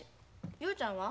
雄ちゃんは？